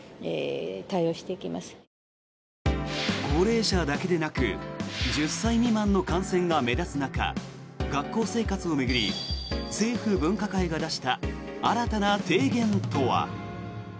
高齢者だけでなく１０歳未満の感染が目立つ中学校生活を巡り政府分科会が出した新たな提言とは。